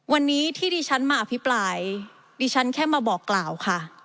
วันนี้ที่ดิฉันมาอภิปรายดิฉันแค่มาบอกกล่าวค่ะ